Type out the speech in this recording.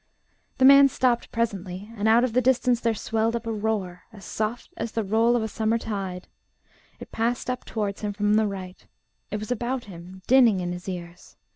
The man stopped presently, and out of the distance there swelled up a roar, as soft as the roll of a summer tide; it passed up towards him from the right; it was about him, dinning in his ears.